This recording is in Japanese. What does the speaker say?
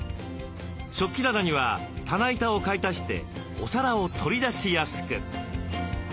食器棚には棚板を買い足してお皿を取り出しやすく。